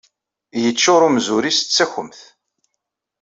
Yeččur umzur-is d takemt.